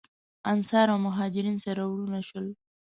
انصار او مهاجرین سره وروڼه شول.